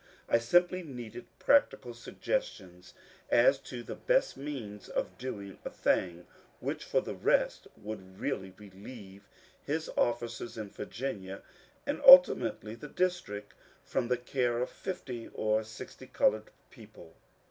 I simply needed practical suggestions as to the best means of doing a thing which, for the rest, would really relieve his officers in Virginia and ultimately the District from the care of fifty or sixty coloured people.